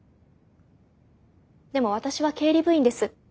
でも私は経理部員です。